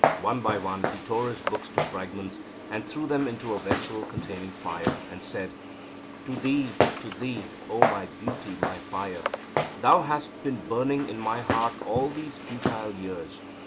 One by one he tore his books to fragments, and threw them into a vessel containing fire, and said: "To thee, to thee, O my beauty, my fire! Thou hast been burning in my heart all these futile years.